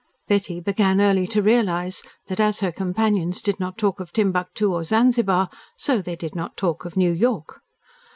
Betty began early to realise that as her companions did not talk of Timbuctoo or Zanzibar, so they did not talk of New York.